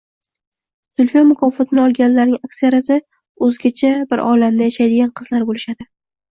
Zulfiya mukofotini olganlarning aksariyati o‘zgacha bir olamda yashaydigan qizlar bo‘lishadi.